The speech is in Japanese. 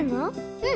うん。